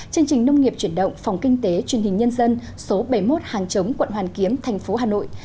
chương trình nông nghiệp chuyển động phòng kinh tế chuyên hình nhân dân số bảy mươi một hàng chống quận hoàn kiếm tp hà nội